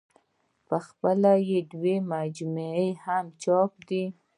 خپلې دوه مجموعې يې هم چاپ دي